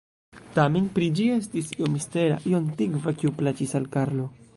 Tamen pri ĝi estis io mistera, io antikva, kiu plaĉis al Karlo.